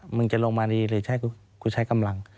มึงจะลงมาดีหรือกูใช้กำลัง